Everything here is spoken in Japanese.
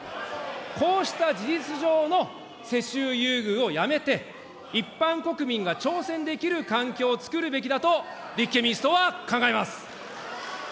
こうした事実上の世襲優遇をやめて、一般国民が挑戦できる環境を作るべきだと、立憲民主党は考えます。